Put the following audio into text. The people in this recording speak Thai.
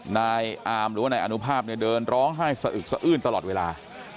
นายอามหรือว่านายอนุภาพเนี่ยเดินร้องไห้สะอึกสะอื้นตลอดเวลา